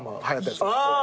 あ！